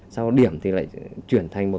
sau điểm thì lại chuyển thành một